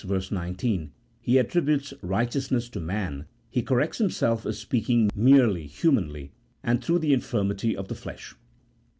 19) he attributes righteousness to man, he corrects himself as speaking merely humanly and through the infirmity of the flesh.